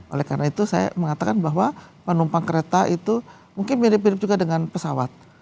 oleh karena itu saya mengatakan bahwa penumpang kereta itu mungkin mirip mirip juga dengan pesawat